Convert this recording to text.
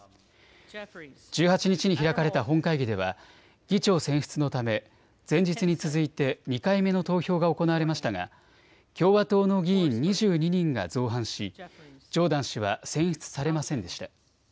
１８日に開かれた本会議では議長選出のため前日に続いて２回目の投票が行われましたが共和党の議員２２人が造反しジョーダン氏は選出されませんでした。